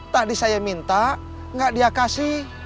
tadi saya minta enggak dia kasih